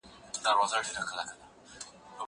زه سپينکۍ مينځلي دي؟!